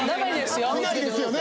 いないですよね？